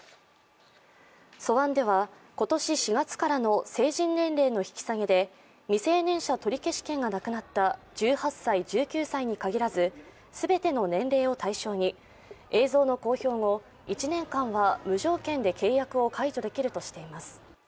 素案では、今年４月からの成人年齢の引き下げで未成年者取消権がなくなった１８歳、１９歳にかかわらず全ての年齢を対象に、映像の公表後、１年間は無条件で契約を解除できるとしています。